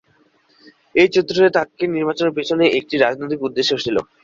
এই চরিত্রে তাঁকে নির্বাচনের পিছনে একটি রাজনৈতিক উদ্দেশ্য ছিল।